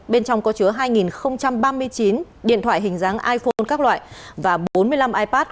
bên trong có chứa hai ba mươi chín điện thoại hình dáng iphone các loại và bốn mươi năm ipad